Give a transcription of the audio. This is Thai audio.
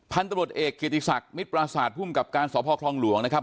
พันธุ์ตรวจเอกเกติศักดิ์มิตรประสาทภูมิกับการสอบพ่อครองหลวงนะครับ